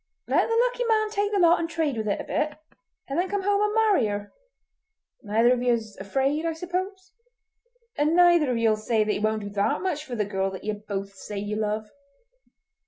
Let the lucky man take the lot and trade with it a bit, and then come home and marry her. Neither of ye's afraid, I suppose! And neither of ye'll say that he won't do that much for the girl that ye both say ye love!"